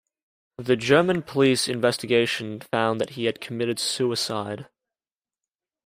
The German police investigation found that he had committed suicide.